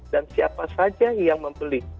dan siapa saja yang membeli